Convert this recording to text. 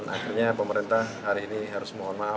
akhirnya pemerintah hari ini harus mohon maaf